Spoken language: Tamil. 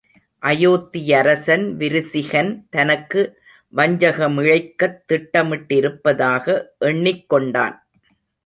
அயோத்தியரசன், விரிசிகன் தனக்கு வஞ்சகமிழைக்கத் திட்டமிட்டிருப்பதாக எண்ணிக் கொண்டான்.